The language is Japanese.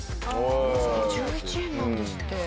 ５１円なんですって。